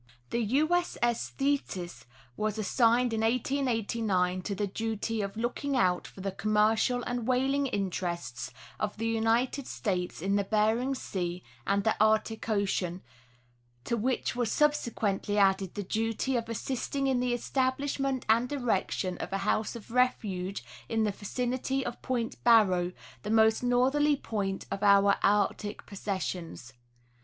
The U.S. 8. Thetis was assigned in 1889 to the duty of look ing out for the commercial and whaling interests of the United States in Bering sea and the Arctic ocean, to which was subse quently added the duty of assisting in the establishment and erection of a house of refuge in the vicinity of Poimt Barrow, the most northerly point of our Arctic possessions.